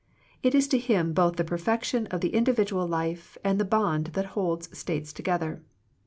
It is to him both the perfection of the individual life, and the bond that holds states together.